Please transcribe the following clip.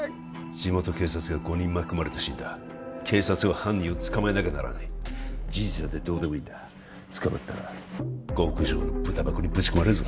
地元警察が５人巻き込まれて死んだ警察は犯人を捕まえなきゃならない事実なんてどうでもいいんだ捕まったら極上のブタ箱にぶち込まれるぞ